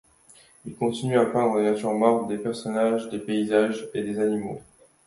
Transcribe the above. Il continue à peindre des natures mortes, des personnages, des paysages et des animaux.